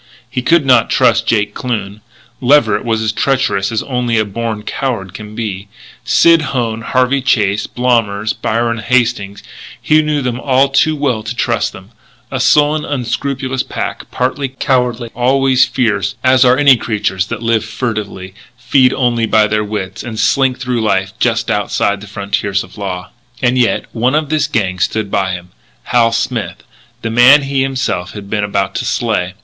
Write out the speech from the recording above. He could not trust Jake Kloon; Leverett was as treacherous as only a born coward can be; Sid Hone, Harvey Chase, Blommers, Byron Hastings, he knew them all too well to trust them, a sullen, unscrupulous pack, partly cowardly, always fierce, as are any creatures that live furtively, feed only by their wits, and slink through life just outside the frontiers of law. And yet, one of this gang had stood by him Hal Smith the man he himself had been about to slay.